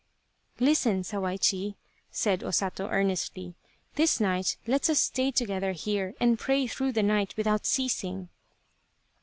" Listen, Sawaichi," said O Sato, earnestly, " this night let us stay together here and pray through the night without ceasing."